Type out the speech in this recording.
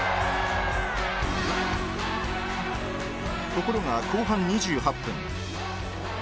ところが後半２８分。